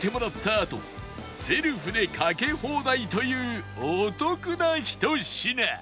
あとセルフでかけ放題というお得な１品